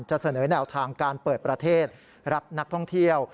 เสนอแนวทางการเปิดประเทศรับนักท่องเที่ยว